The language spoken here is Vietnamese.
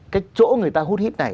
cái chỗ người ta hút hiếp này